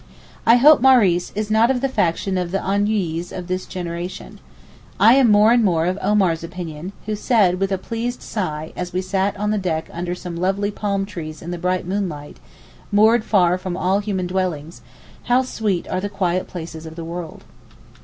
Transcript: I hope Maurice is not of the faction of the ennuyés of this generation. I am more and more of Omar's opinion, who said, with a pleased sigh, as we sat on the deck under some lovely palm trees in the bright moon light, moored far from all human dwellings, 'how sweet are the quiet places of the world.